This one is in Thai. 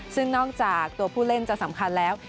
ซึ่งนอกจากตัวผู้เล่นจะสำคัญแล้ว